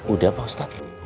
udah pak ustadz